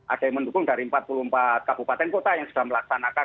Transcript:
ada yang mendukung dari empat puluh empat kabupaten kota yang sudah melaksanakan